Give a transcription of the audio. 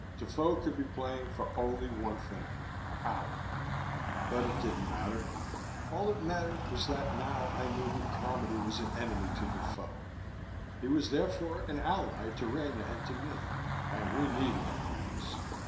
Defoe could be playing for only one thing power. But it didn't matter; all that mattered was that now I knew that Carmody was an enemy to Defoe. He was therefore an ally to Rena and to me, and we needed allies.